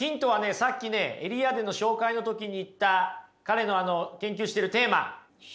さっきエリアーデの紹介の時に言った彼の研究してるテーマ。